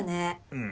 うん。